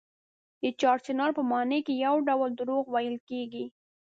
د چار چنار په ماڼۍ کې یو ډول درواغ ویل کېږي.